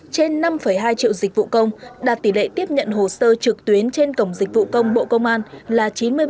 trên năm hai triệu dịch vụ công đạt tỷ lệ tiếp nhận hồ sơ trực tuyến trên cổng dịch vụ công bộ công an là chín mươi ba